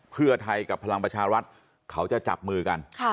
เพื่อไทยกับพลังประชารัฐเขาจะจับมือกัน